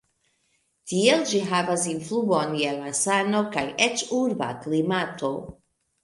Tiel ĝi havas influon je la sano kaj eĉ urba klimato.